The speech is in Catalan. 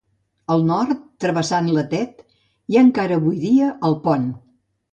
Al nord, travessant la Tet, hi ha encara avui dia el pont.